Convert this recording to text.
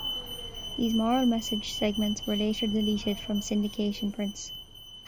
These moral-message segments were later deleted from syndication prints.